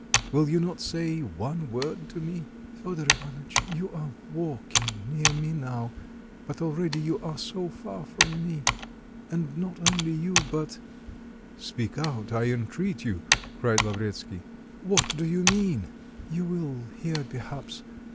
will you not say one word to me?" "Fedor Ivanitch, you are walking near me now.... But already you are so far from me. And not only you, but " "Speak out, I entreat you!" cried Lavretsky, "what do you mean?" "You will hear perhaps...